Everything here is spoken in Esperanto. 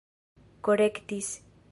korektis